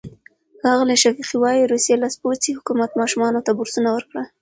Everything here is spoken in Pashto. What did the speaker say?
ښاغلی شفیقي وايي، روسي لاسپوڅي حکومت ماشومانو ته بورسونه ورکړل.